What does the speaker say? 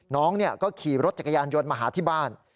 น้องก็ขี่รถจักรยานยนต์มาหาที่บ้าน